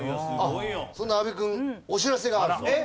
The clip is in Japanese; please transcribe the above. そんな阿部君お知らせがあるそうです。